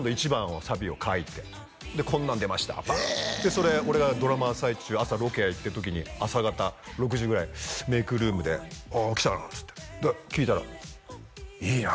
それ俺がドラマ最中朝ロケ行ってる時に朝方６時ぐらいメイクルームでああ来たなっつって聴いたらいいな